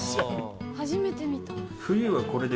初めて見た。